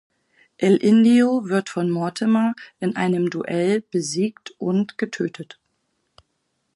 El Indio wird von Mortimer in einem Duell besiegt und getötet.